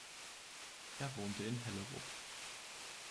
Er wohnte in Hellerup.